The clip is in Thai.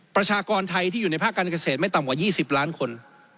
ประชากรไทยที่อยู่ในภาคการเกษตรไม่ต่ำกว่า๒๐ล้านคน